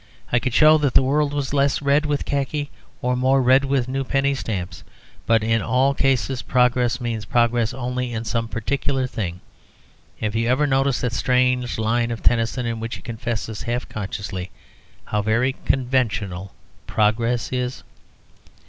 I could show that the world was less red with khaki or more red with the new penny stamps. But in all cases progress means progress only in some particular thing. Have you ever noticed that strange line of Tennyson, in which he confesses, half consciously, how very conventional progress is?